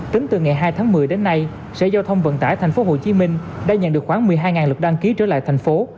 tính từ ngày hai tháng một mươi đến nay sở giao thông vận tải tp hcm đã nhận được khoảng một mươi hai lượt đăng ký trở lại thành phố